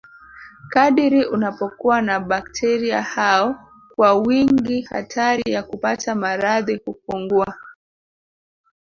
kadiri unapokuwa na bakteria hao kwa wingi hatari ya kupata maradhi hupungua